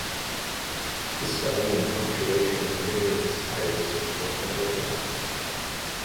The spelling and punctuation of many of his titles were unorthodox.